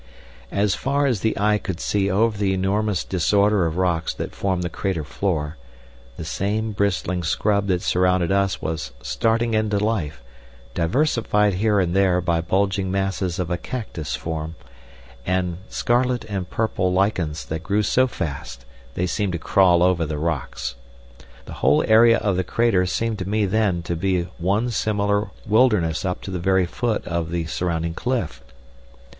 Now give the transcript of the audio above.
As far as the eye could see over the enormous disorder of rocks that formed the crater floor, the same bristling scrub that surrounded us was starting into life, diversified here and there by bulging masses of a cactus form, and scarlet and purple lichens that grew so fast they seemed to crawl over the rocks. The whole area of the crater seemed to me then to be one similar wilderness up to the very foot of the surrounding cliff.